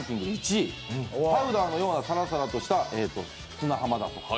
１位パスダーのようなサラサラとした砂浜だと。